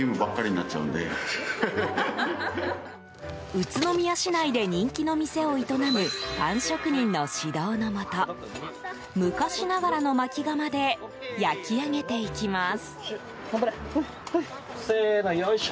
宇都宮市内で人気の店を営むパン職人の指導のもと昔ながらのまき窯で焼き上げていきます。